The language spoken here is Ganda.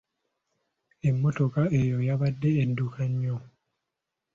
Emmotoka eyo yabadde edduka nnyo.